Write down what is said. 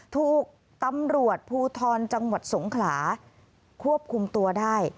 ถูกตำรวจภูทรจังหวัดสงขลาควบคุมตัวได้